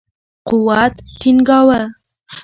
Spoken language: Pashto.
قوت ټینګاوه.